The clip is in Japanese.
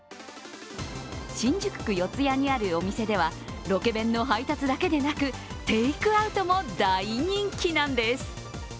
新宿区四谷にあるお店では、ロケ弁の配達だけではなくテイクアウトも大人気なんです。